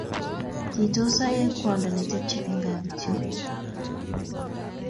Kitose aek kwondo netebye eng gaa kityo